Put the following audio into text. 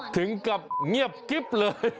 ถึงกับเงียบกิ๊บเลย